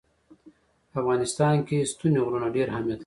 په افغانستان کې ستوني غرونه ډېر اهمیت لري.